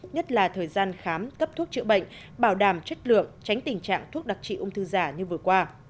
nhất là thời gian khám cấp thuốc chữa bệnh bảo đảm chất lượng tránh tình trạng thuốc đặc trị ung thư giả như vừa qua